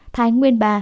thái nguyên ba